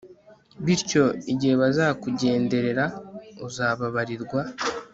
bityo igihe bazakugenderera, uzababarirwa